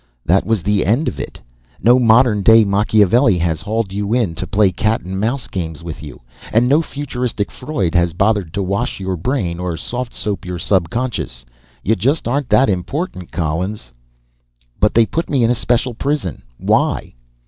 That was the end of it. No modern day Machiavelli has hauled you in to play cat and mouse games with you, and no futuristic Freud has bothered to wash your brain or soft soap your subconscious. You just aren't that important, Collins." "But they put me in a special prison. Why?"